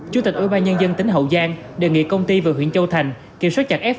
chủ tịch ủy ban nhân dân tỉnh hậu giang đề nghị công ty và huyện châu thành kiểm soát chặt f một